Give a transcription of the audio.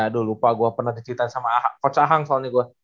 aduh lupa gue pernah cerita sama coach ahang soalnya gue